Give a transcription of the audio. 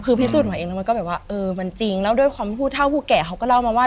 คือพิสูจน์มาเองแล้วมันก็แบบว่าเออมันจริงแล้วด้วยความผู้เท่าผู้แก่เขาก็เล่ามาว่า